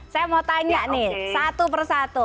saya mau tanya nih satu persatu